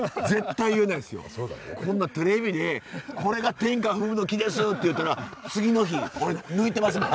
こんなテレビで「これが天下富舞の木です」って言うたら次の日俺抜いてますもん。